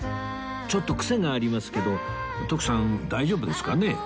ちょっと癖がありますけど徳さん大丈夫ですかね？